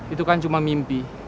itu kan cuma mimpi